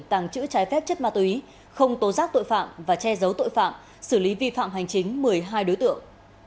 tàng trữ trái phép chất ma túy không tố giác tội phạm và che giấu tội phạm xử lý vi phạm hành chính một mươi hai đối tượng